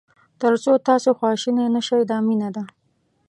تر څو تاسو خواشینی نه شئ دا مینه ده.